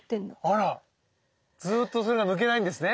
あらずっとそれが抜けないんですね